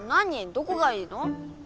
どこがいいの？